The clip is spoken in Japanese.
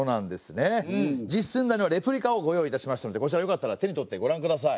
実寸大のレプリカをご用意いたしましたのでこちらよかったら手に取ってごらんください。